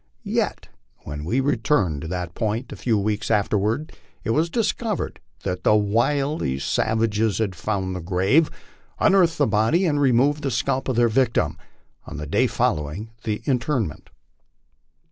Yet when we returned to that point a few weeks after ward it was discovered that the wily savages had found the grave, unearthed the body, and removed the scalp of their victim, on the day following the interment.